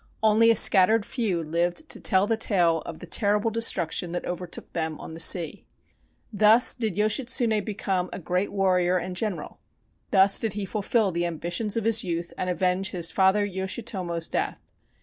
Only a scattered few lived to tell the tale of the terrible destruction that overtook them on the sea. Thus did Yoshitsune become a great warrior and general. Thus did he fulfill the ambitions of his youth and avenge his father Yoshitomo's death.